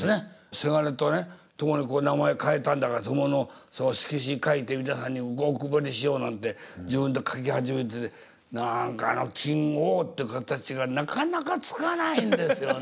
せがれとね共に名前変えたんだから共の色紙書いて皆さんにお配りしようなんて自分で書き始めて何かあの金扇って形がなかなかつかないんですよね。